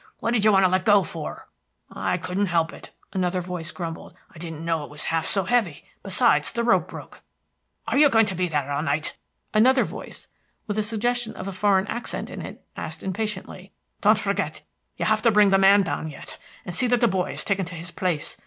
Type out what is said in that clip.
What did you want to let go for?" "I couldn't help it," another voice grumbled. "I didn't know it was half so heavy. Besides, the rope broke." "Oh, are you going to be there all night?" another voice, with a suggestion of a foreign accent in it, asked impatiently. "Don't forget you have to bring the man down yet, and see that the boy is taken to his place.